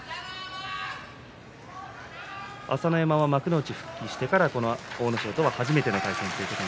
朝乃山は幕内に復帰してからこの阿武咲とは初めての対戦です。